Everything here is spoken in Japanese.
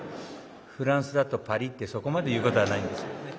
フランスだとパリってそこまで言うことはないんですがね。